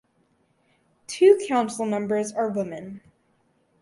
Two councilmembers are women.